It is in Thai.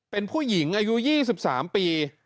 เป็นผู้หญิงอายุ๒๓ปี